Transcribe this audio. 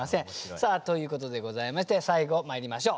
さあということでございまして最後まいりましょう。